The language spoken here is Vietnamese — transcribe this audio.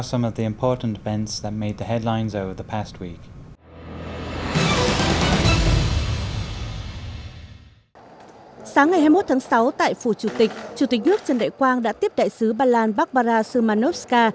sáng ngày hai mươi một tháng sáu tại phủ chủ tịch chủ tịch nước trần đại quang đã tiếp đại sứ ba lan barbara szymanowska